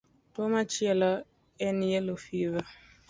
Tuwo machielo en yellow fever.